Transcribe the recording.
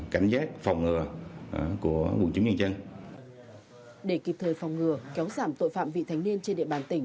kéo giảm tội phạm vị thanh niên trên địa bàn tỉnh